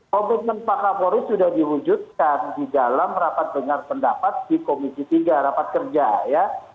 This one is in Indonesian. komitmen pak kapolri sudah diwujudkan di dalam rapat dengar pendapat di komisi tiga rapat kerja ya